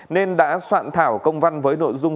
nên đã soạn thảo công văn với nội dung